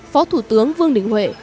phó thủ tướng vương định huệ